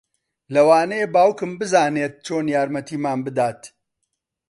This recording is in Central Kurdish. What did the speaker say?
لەوانەیە باوکم بزانێت چۆن یارمەتیمان بدات